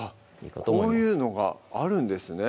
こういうのがあるんですね